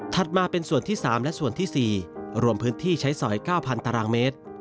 มาเป็นส่วนที่๓และส่วนที่๔รวมพื้นที่ใช้สอย๙๐๐ตารางเมตร